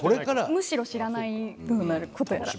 むしろ知らないどうなることやら。